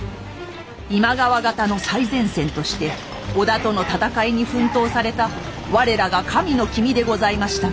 今川方の最前線として織田との戦いに奮闘された我らが神の君でございましたが。